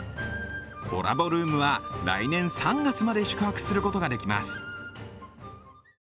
コラボルームは来年３月まで宿泊することができます。